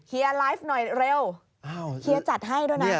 เหี้ยไลฟ์หน่อยเร็ว